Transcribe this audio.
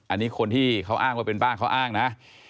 อันนี้คนที่เขาอ้างว่าเป็นป้าเขาอ้างนะ